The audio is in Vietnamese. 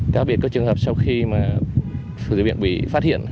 các biệt có trường hợp sau khi phương diện viện bị phát hiện